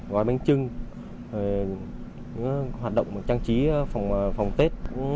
gói bánh chưng hoạt động trang trí phòng tết